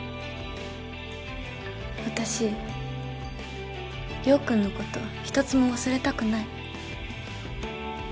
私陽君のことひとつも忘れたくない。